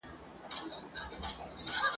پرې را تاو یې کړه د ناز لاسونه دواړه..